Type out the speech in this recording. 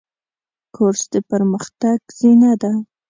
کورس د پرمختګ زینه ده.